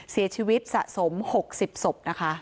เสียชีวิตสะสม๖๐ศพนะคะ